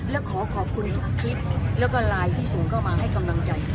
และขอขอบคุณทุกคลิปแล้วก็ไลน์ที่ส่งเข้ามาให้กำลังใจ